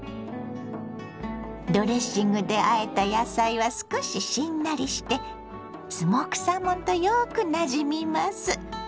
ドレッシングであえた野菜は少ししんなりしてスモークサーモンとよくなじみます。